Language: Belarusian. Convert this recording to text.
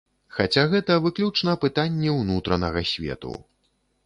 Хаця гэта выключна пытанні ўнутранага свету.